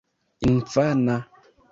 infana